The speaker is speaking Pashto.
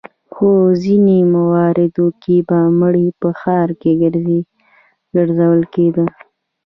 په ځینو مواردو کې به مړی په ښار کې ګرځول کېده.